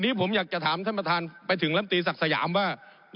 ผมอภิปรายเรื่องการขยายสมภาษณ์รถไฟฟ้าสายสีเขียวนะครับ